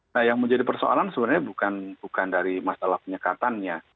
nah yang menjadi persoalan sebenarnya bukan dari masalah penyekatannya